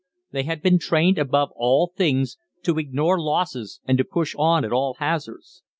They had been trained above all things to ignore losses and to push on at all hazards.